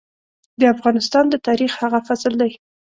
د افغانستان د تاريخ هغه فصل دی.